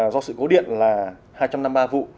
do sự cố điện là hai trăm năm mươi ba vụ